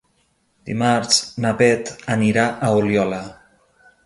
Dimarts na Beth anirà a Oliola.